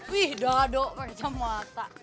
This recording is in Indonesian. wih dadok pake camata